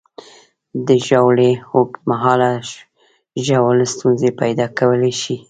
د ژاولې اوږد مهاله ژوول ستونزې پیدا کولی شي.